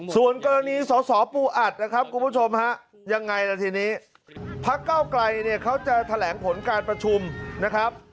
ส่วนกรณีสอสอปูอัดนะครับคุณผู้ชมฮะยังไงล่ะทีนี้พักเก้าไกลเนี่ยเขาจะแถลงผลการประชุมนะครับ